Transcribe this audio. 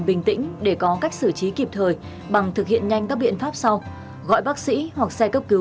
bình tĩnh để có cách xử trí kịp thời bằng thực hiện nhanh các biện pháp sau gọi bác sĩ hoặc xe cấp cứu